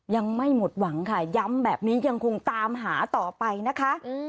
ยังไม่หมดหวังค่ะย้ำแบบนี้ยังคงตามหาต่อไปนะคะ